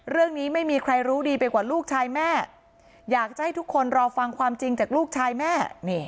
ไม่มีใครรู้ดีไปกว่าลูกชายแม่อยากจะให้ทุกคนรอฟังความจริงจากลูกชายแม่